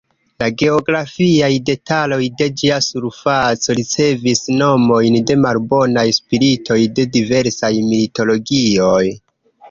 La "geografiaj" detaloj de ĝia surfaco ricevis nomojn de malbonaj spiritoj de diversaj mitologioj.